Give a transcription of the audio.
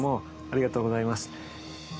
ありがとうございます。